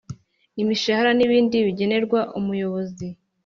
Imishahara n ibindi bigenerwa Umuyobozi